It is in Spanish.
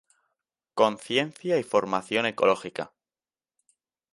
Conciencia y formación ecológica.